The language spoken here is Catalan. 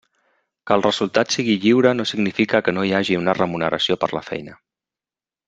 Que el resultat sigui lliure no significa que no hi hagi una remuneració per la feina.